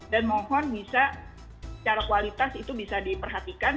dan mohon bisa secara kualitas itu bisa diperhatikan